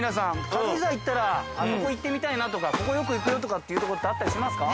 軽井沢行ったらあそこ行ってみたいなとかここよく行くよとかっていうとこってあったりしますか？